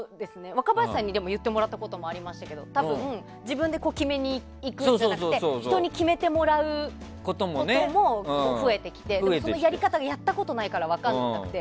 若林さんに言ってもらったこともありましたけど自分で決めにいくんじゃなくて人に決めてもらうことも増えてきてそのやり方がやったことないから分からなくて。